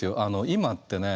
今ってね